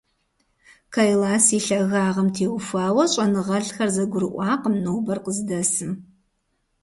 Кайлас и лъагагъым теухуауэ щӀэныгъэлӀхэр зэгурыӀуакъым нобэр къыздэсым.